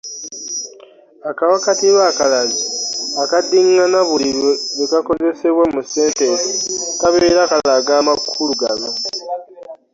Akawakatirwa akalazi akaddingana buli lwe kakozesebwa mu sentensi kabeera kalaga amakulu gano.